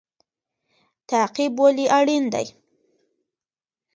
تعقیب ولې اړین دی؟